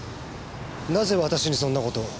なぜ私にそんなことを？